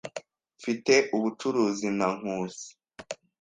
Mfite ubucuruzi na Nkusi.